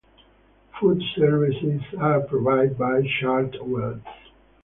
Food services are provided by Chartwells.